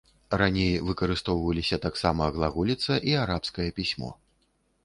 Раней выкарыстоўваліся таксама глаголіца і арабскае пісьмо.